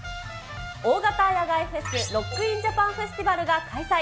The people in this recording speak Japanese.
大型野外フェス、ロック・イン・ジャパン・フェスティバルが開催。